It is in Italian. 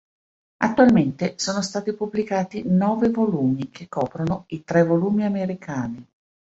Attualmente sono stati pubblicati nove volumi, che coprono i tre volumi americani.